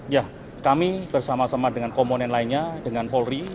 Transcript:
ya kami bersama sama dengan komponen lainnya dengan polri